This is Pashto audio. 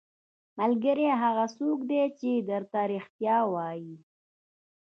ملګری هغه څوک دی چې درته رښتیا وايي.